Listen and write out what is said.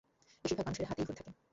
বেশির ভাগ মানুষের হাতেই ঘড়ি থাকে।